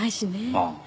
ああ。